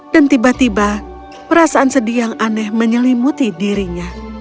dan tiba tiba perasaan sedih yang aneh menyelimuti dirinya